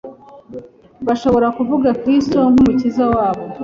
Bashobora kuvuga Kristo nk’Umukiza wabo;